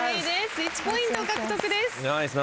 １ポイント獲得です。